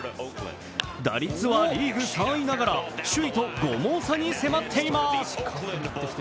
打率はリーグ３位ながら首位と５毛差に迫っています。